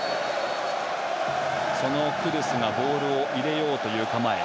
そのクドゥスがボールを入れようという構え。